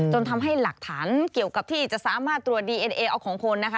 จนทำให้หลักฐานเกี่ยวกับที่จะสามารถตรวจดีเอ็นเอเอาของคนนะคะ